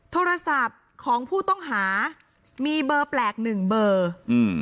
โทรศัพท์ของผู้ต้องหามีเบอร์แปลกหนึ่งเบอร์อืม